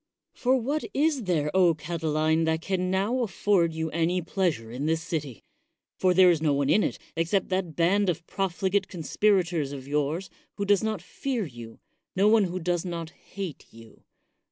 For what is there, Catiline, that can now afford you any pleasure in this city ? for there is no one in it, except that band of profligate con spirators of yours, who does not fear you, — no one who does not hate you.